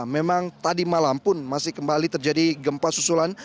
memang tadi malam pun masih kembali terjadi gempa susulan